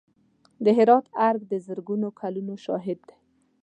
د هرات ارګ د زرګونو کلونو شاهد دی.